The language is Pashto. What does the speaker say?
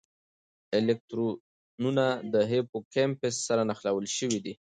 الکترودونه د هیپوکمپس سره نښلول شوي دي.